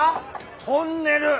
トンネル。